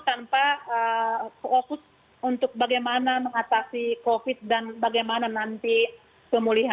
tanpa fokus untuk bagaimana mengatasi covid dan bagaimana nanti pemulihan